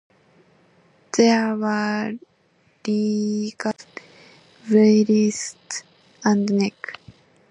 There were ligature marks on her ankles, wrists, and neck.